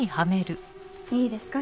いいですか？